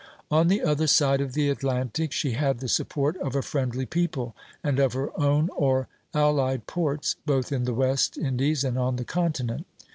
On the other side of the Atlantic she had the support of a friendly people, and of her own or allied ports, both in the West Indies and on the continent.